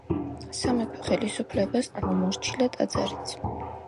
სამეფო ხელისუფლებას დაუმორჩილა ტაძარიც.